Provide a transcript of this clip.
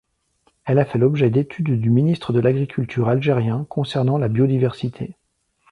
Elle a fait l'objet d'études du ministre de l'agriculture algérien concernant la biodiversité.